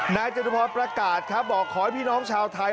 จตุพรประกาศครับบอกขอให้พี่น้องชาวไทย